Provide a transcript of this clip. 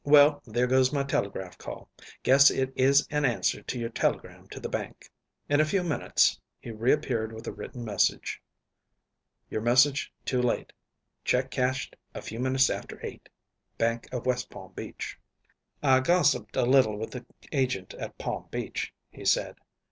Well, there goes my telegraph call. Guess it is an answer to your telegram to the bank." In a few minutes he reappeared with the written message: "Your message too late; check cashed a few minutes after eight." "BANK OF WEST PALM BEACH." "I gossiped a little with the agent at Palm Beach," he said.